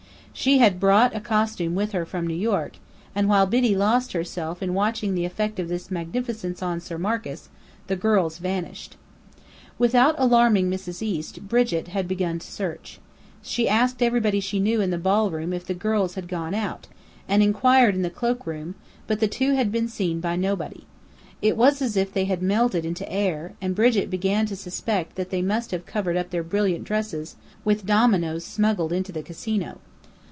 She had brought a costume with her from New York; and while Biddy "lost herself" in watching the effect of this magnificence on Sir Marcus, the girls vanished. Without alarming Mrs. East, Brigit had begun to search. She asked everybody she knew in the ballroom if the girls had gone out, and inquired in the cloakroom; but the two had been seen by nobody. It was as if they had melted into air; and Brigit began to suspect that they must have covered up their brilliant dresses with dominoes smuggled into the Casino.